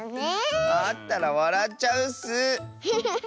あったらわらっちゃうッス。